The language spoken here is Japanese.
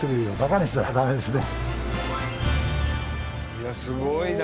いやすごいな！